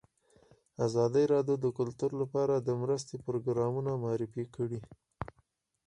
ازادي راډیو د کلتور لپاره د مرستو پروګرامونه معرفي کړي.